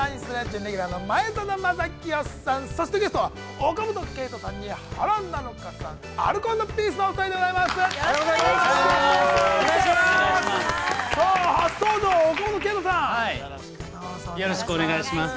準レギュラーの前園真聖さん、そしてゲストは、岡本圭人さん、原菜乃華さん、アルコ＆ピースのお２人でございます。